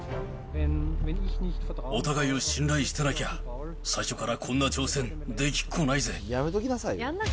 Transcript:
お互いを信頼してなきゃ、最初からこんな挑戦、できっこないぜ。